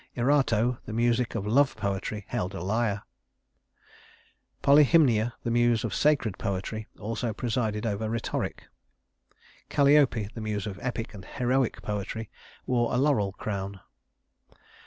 Erato, the Muse of love poetry, held a lyre. Polyhymnia, the Muse of sacred poetry, also presided over rhetoric. Calliope, the Muse of epic and heroic poetry, wore a laurel crown.